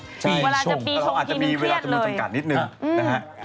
เวลาจะปีชงเพียสนึงมันเครียดเลยอาจจะมีเวลามีมึงจำกัดนิดหนึ่งนะคะ